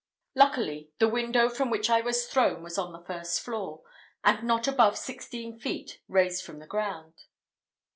Luckily, the window from which I was thrown was on the first floor, and not above sixteen feet raised from the ground.